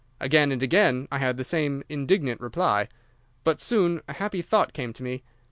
Again and again I had the same indignant reply. But soon a happy thought came to me.